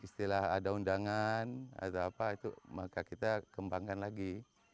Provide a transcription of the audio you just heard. setelah ada undangan maka kita kembangkan lagi